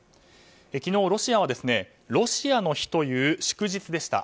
昨日ロシアはロシアの日という祝日でした。